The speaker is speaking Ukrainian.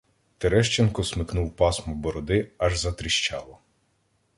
Терещенко смикнув пасмо бороди, аж затріщало.